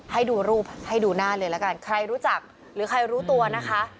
ให้ดูรูปให้ดูหน้าเลยละกันใครรู้จักหรือใครรู้ตัวนะคะ